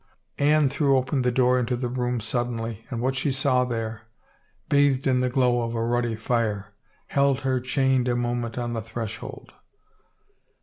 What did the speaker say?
Anne threw open the door into this room suddenly and what she saw there, bathed in the glow of a ruddy fire, held her chained a moment on the threshold.